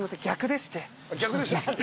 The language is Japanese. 逆でした。